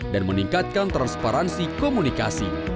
dan meningkatkan transparansi komunikasi